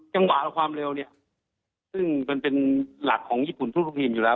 จังหวะความเร็วเนี่ยซึ่งมันเป็นหลักของญี่ปุ่นทุกทีมอยู่แล้ว